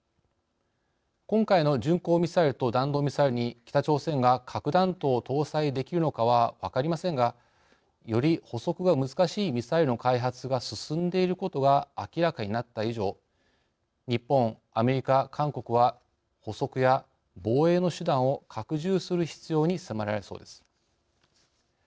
今回の巡航ミサイルと弾道ミサイルに北朝鮮が核弾頭を搭載できるのかは分かりませんがより捕捉が難しいミサイルの開発が進んでいることが明らかになった以上日本、アメリカ、韓国は捕捉や防衛の手段を拡充する必要に迫られそうです。